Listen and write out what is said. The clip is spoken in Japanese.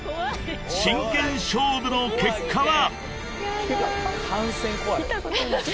［真剣勝負の結果は？］